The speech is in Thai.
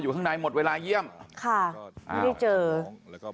ค่ะไม่ได้เจอ